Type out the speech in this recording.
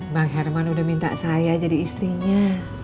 bang herman udah minta saya jadi istrinya